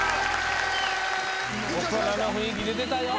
大人の雰囲気出てたよ。